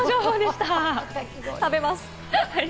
食べます。